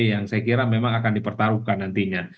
yang saya kira memang akan dipertaruhkan nantinya